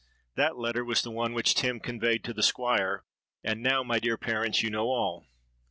That letter was the one which Tim conveyed to the Squire; and now, my dear parents, you know all.'